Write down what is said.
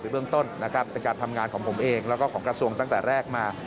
เบื้องต้นนะครับจากการทำงานของผมเองแล้วก็ของกระทรวงตั้งแต่แรกมา